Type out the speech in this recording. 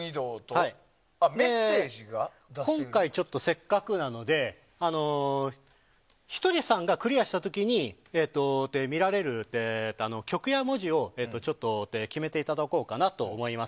今回、せっかくなのでひとりさんがクリアした時に見られる曲や文字をちょっと決めていただこうかなと思います。